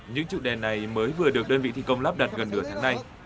những trụ đèn này mới vừa được đơn vị thi công lắp đặt gần nửa tháng nay